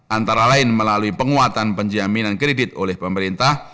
antara lain melalui penguatan penjaminan kredit oleh pemerintah